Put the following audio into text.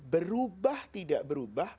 berubah tidak berubah